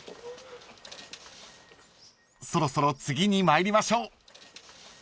［そろそろ次に参りましょう］